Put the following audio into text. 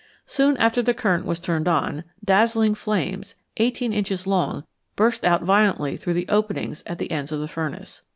Soon after the current was turned on, dazzling flames, 18 inches long, burst out violently through the openings at the ends of the furnace.